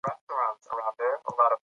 که ډلې همکاري وکړي نو نظام پیاوړی کیږي.